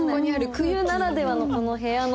冬ならではのこの部屋の。